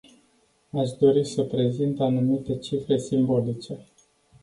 Aș dori să prezint anumite cifre simbolice.